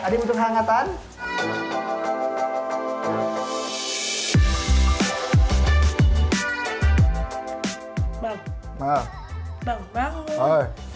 ada yang minum hangatan